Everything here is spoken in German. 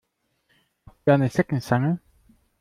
Habt ihr eine Zeckenzange?